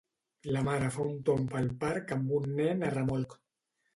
La mare fa un tomb pel parc amb un nen a remolc.